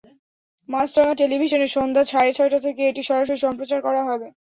মাছরাঙা টেলিভিশনে সন্ধ্যা সাড়ে ছয়টা থেকে এটি সরাসরি সম্প্রচার করা হবে।